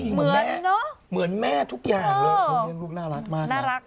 เหมือนแม่แม่เหมือนแม่ทุกอย่างเลย๐เหมือนโลกน่ารักมากน่ารัก